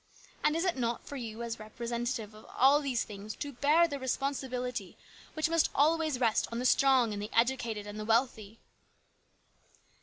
And is it not for you as representative of all these things to bear the responsibility which must always rest on the strong and the educated and the wealthy?"